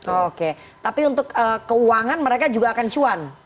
oke tapi untuk keuangan mereka juga akan cuan